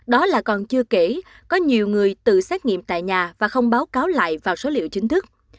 đó là còn chưa kể có nhiều người tự xét nghiệm tại nhà và không báo cáo lại vào số liệu chính thức